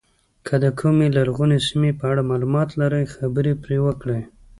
که د کومې لرغونې سیمې په اړه معلومات لرئ خبرې پرې وکړئ.